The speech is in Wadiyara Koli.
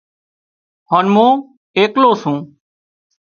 هانَ مُون ايڪلو سُون